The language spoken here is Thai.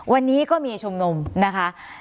วันนี้ก็มีชุมนุมนะคะ